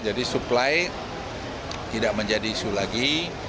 jadi supply tidak menjadi isu lagi